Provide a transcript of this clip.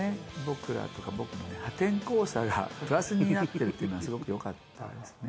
僕らとか僕のね破天荒さがプラスになってるっていうのはすごくよかったですね。